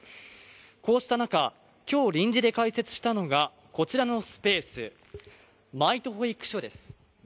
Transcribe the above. こうした中、今日臨時で開設したのが、こちらのスペースです。